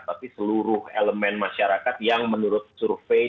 tapi seluruh elemen masyarakat yang menurut survei